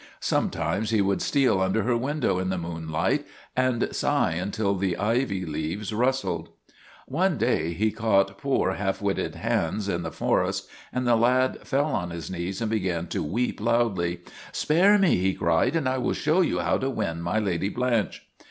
Sometimes he would steal under her window in the moonlight and sigh until the ivy leaves rustled. One day he caught poor half witted Hans in the forest, and the lad fell on his knees and began to weep loudly. " Spare me," he cried, " and I will show you how to win My Lady Blanche."